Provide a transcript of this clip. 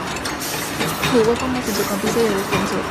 Jugó como centrocampista y de defensor.